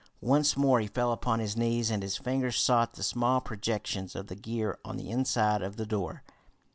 Once more he fell upon his knees, and his fingers sought the small projections of the gear on the inside of the door.